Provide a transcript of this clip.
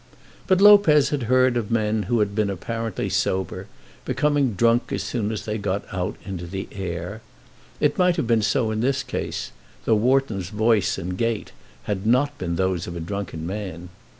But Lopez had heard of men who had been apparently sober, becoming drunk as soon as they got out into the air. It might have been so in this case, though Wharton's voice and gait had not been those of a drunken man.